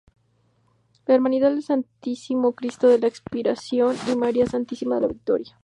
La Hermandad del Santísimo Cristo de la Expiración y María Santísima de la Victoria.